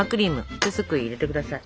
ひとすくい入れて下さい。